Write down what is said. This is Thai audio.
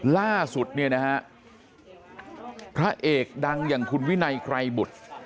ล่าสุดเนี่ยนะฮะพระเอกดังอย่างคุณวินัยไกรบุตร